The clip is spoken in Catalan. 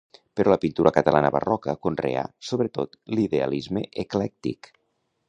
Però la pintura catalana barroca conreà, sobretot, l'idealisme eclèctic.